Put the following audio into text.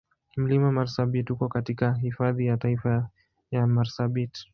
Mlima Marsabit uko katika Hifadhi ya Taifa ya Marsabit.